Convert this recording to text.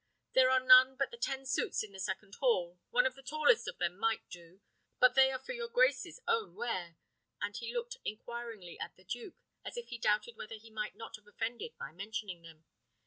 There are none but the ten suits in the second hall: one of the tallest of them might do; but then they are for your grace's own wear;" and he looked inquiringly at the duke, as if he doubted whether he might not have offended by mentioning them.